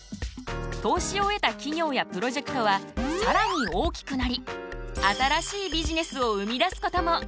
投資を得た企業やプロジェクトはさらに大きくなり新しいビジネスを生み出すことも。